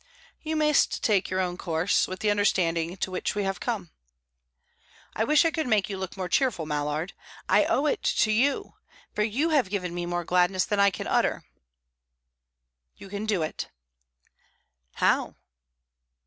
"You must take your own course with the understanding to which we have come." "I wish I could make you look more cheerful, Mallard. I owe it to you, for you have given me more gladness than I can utter." "You can do it." "How?"